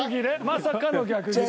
まさかの逆ギレ。